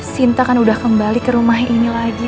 sinta kan udah kembali ke rumah ini lagi